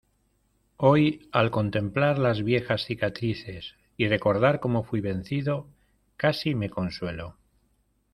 hoy, al contemplar las viejas cicatrices y recordar cómo fuí vencido , casi me consuelo.